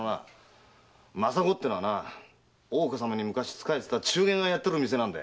“まさご”は大岡様に昔仕えてた中間がやっている店なんだ。